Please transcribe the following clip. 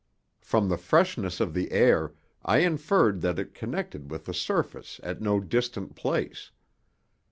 From the freshness of the air I inferred that it connected with the surface at no distant place.